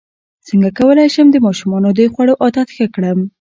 څنګه کولی شم د ماشومانو د خوړو عادت ښه کړم